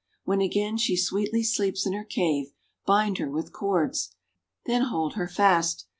When again she sweetly sleeps in her cave, bind her with cords. Then hold her fast.